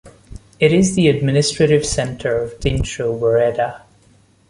It is the administrative center of Dinsho woreda.